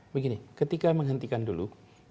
begini ketika menghentikan dulu